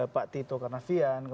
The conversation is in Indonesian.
pak tito karnavian